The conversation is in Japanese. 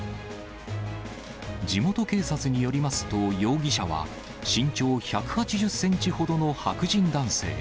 地元警察によりますと、容疑者は、身長１８０センチほどの白人男性。